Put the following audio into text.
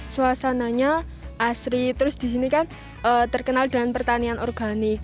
suasananya asri terus disini kan terkenal dengan pertanian organik